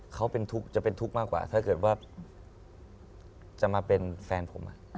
เขาเป็นทุกข์จะเป็นทุกข์มากกว่าถ้าเกิดว่าจะมาเป็นแฟนผม